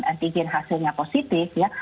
dan antigen hasilnya positif ya